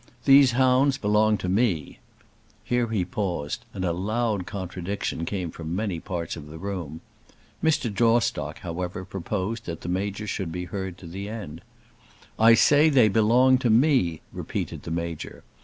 These hounds belong to me." Here he paused, and a loud contradiction came from many parts of the room. Mr. Jawstock, however, proposed that the Major should be heard to the end. "I say they belong to me," repeated the Major.